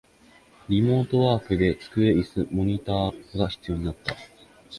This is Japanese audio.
リモートワークで机、イス、モニタが必要になった